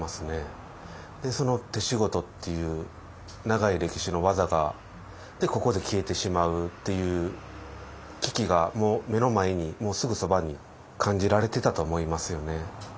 手仕事っていう長い歴史の技がここで消えてしまうっていう危機がもう目の前にすぐそばに感じられてたと思いますよね。